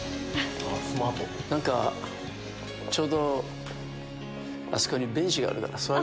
何かちょうどあそこにベンチがあるから座る？